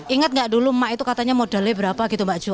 ingat nggak dulu emak itu katanya modalnya berapa gitu mbak jo